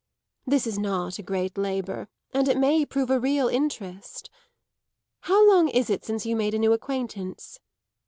This is not a great labour, and it may prove a real interest. How long is it since you made a new acquaintance?"